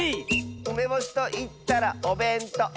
「うめぼしといったらおべんとう！」